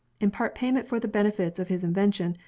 In part payment for the benefits of his invention.